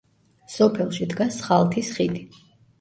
სოფელში დგას „სხალთის ხიდი“.